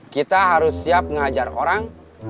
kita harus siap mengajar orang